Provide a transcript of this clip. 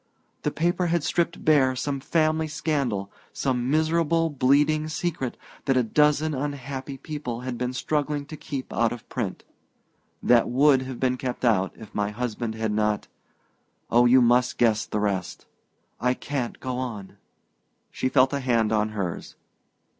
"The paper had stripped bare some family scandal some miserable bleeding secret that a dozen unhappy people had been struggling to keep out of print that would have been kept out if my husband had not Oh, you must guess the rest! I can't go on!" She felt a hand on hers.